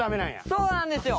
そうなんですよ。